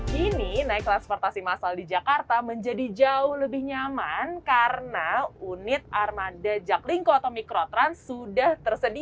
kini naik transportasi massal di jakarta menjadi jauh lebih nyaman karena unit armada jaklinko atau mikrotrans sudah tersedia